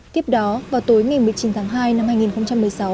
tiếp đó vào tối ngày một mươi chín tháng hai năm hai nghìn một mươi sáu